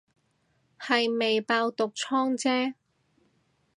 係未爆毒瘡姐